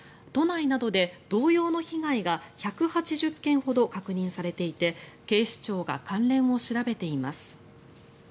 都内などで同様の被害が１８０件ほど確認されていて警視庁が関連を調べています。